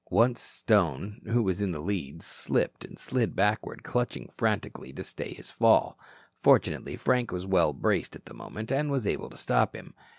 Once Stone, who was in the lead, slipped and slid backward, clutching frantically to stay his fall. Fortunately, Frank was well braced at the moment and was able to stop him.